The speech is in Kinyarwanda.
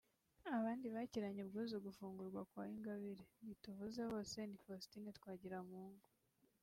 Abandi bakiranye ubwuzu gufungurwa kwa Ingabire (ntituvuze bose) ni Faustin Twagiramungu